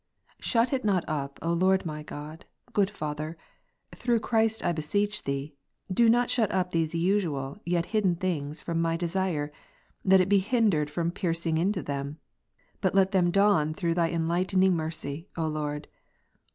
Shut it not up, O Lord my God, good Father ; through Christ I beseech Thee, do not shut up these usual, yet hidden things, from my desire, that it be hindered from piercing into them ; but let them dawn through Thy enlight ening mercy, O Lord.